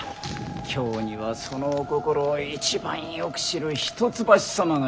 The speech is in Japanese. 京にはそのお心を一番よく知る一橋様がいらっしゃる。